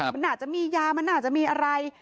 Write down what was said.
มันอาจจะมียามันอาจจะมีอะไร